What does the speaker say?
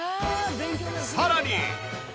さらに。